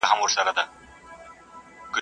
دنيا په امېد خوړله کېږي.